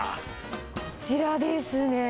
こちらですね。